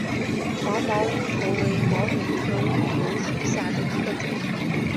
黄毛乌头为毛茛科乌头属下的一个种。